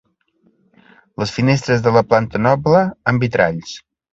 Les finestres de la planta noble, amb vitralls.